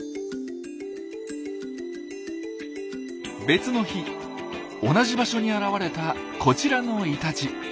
別の日同じ場所に現れたこちらのイタチ。